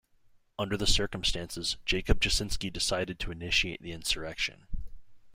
Under the circumstances, Jakub Jasinski decided to initiate the insurrection.